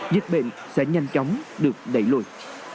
dịch bệnh sẽ nhanh chóng được đẩy lùi